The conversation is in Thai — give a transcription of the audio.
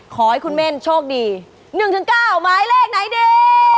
ขอให้คุณเม่นโชคดี๑๙หมายเลขไหนดี